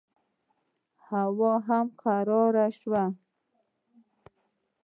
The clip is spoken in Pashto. هوا هم قراره شوه.